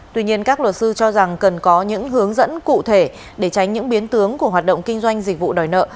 tuy nhiên các luật sư cho rằng cần có những hướng dẫn cụ thể để tránh những biến tướng của hoạt động kinh doanh dịch vụ đòi nợ